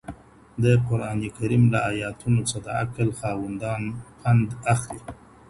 د قرآن کريم له آياتونو څخه د عقل خاوندان پند اخلي.